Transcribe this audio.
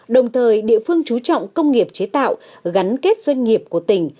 đồng thời địa phương chú trọng công nghiệp chế tạo gắn kết doanh nghiệp của tỉnh